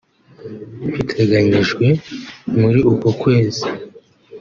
biteganyijwe muri uku kwezi